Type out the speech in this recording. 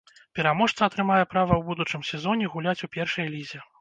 Пераможца атрымае права ў будучым сезоне гуляць у першай лізе.